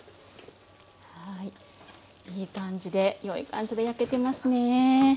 いい感じでよい感じで焼けてますねぇ。